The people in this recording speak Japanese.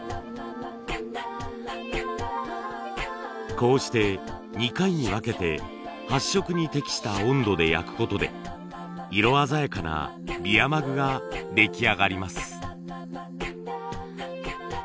こうして２回に分けて発色に適した温度で焼くことで色鮮やかなビアマグが出来上がります。